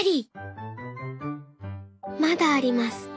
まだあります。